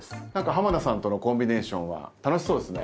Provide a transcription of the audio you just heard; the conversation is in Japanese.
濱田さんとのコンビネーションは楽しそうですね。